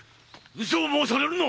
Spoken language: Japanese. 嘘を申されるな！